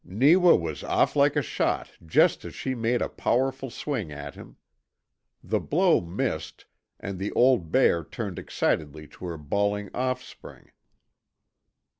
Neewa was off like a shot just as she made a powerful swing at him. The blow missed, and the old bear turned excitedly to her bawling offspring.